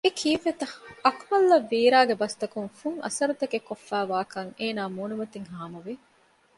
އެކީއްވެތަ؟ އަކުމަލްއަށް ވީރާގެ ބަސްތަކުން ފުން އަސްރުތަކެއް ކޮށްފައިވާކަން އޭނާގެ މޫނުމަތިން ހާމަވެ